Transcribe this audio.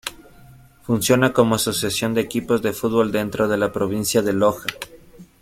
Funciona como asociación de equipos de fútbol dentro de la Provincia de Loja.